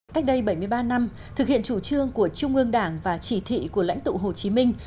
cách đây bảy mươi ba năm thực hiện chủ trương của trung ương đảng và chỉ thị của lãnh tụ hồ chí minh